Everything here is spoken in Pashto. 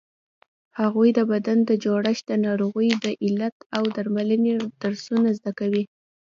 هغوی د بدن د جوړښت، د ناروغیو د علت او درملنې درسونه زده کوي.